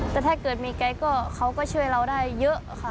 แต่ถ้าเกิดมีไกลก็เขาก็ช่วยเราได้เยอะค่ะ